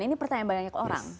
ini pertanyaan banyak orang